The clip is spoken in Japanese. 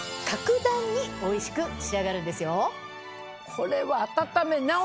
これは。